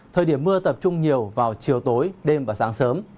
thời điểm mưa tập trung nhiều vào chiều tối đêm và sáng sớm